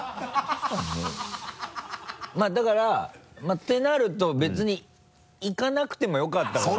まぁだからてなると別に行かなくてもよかったかも。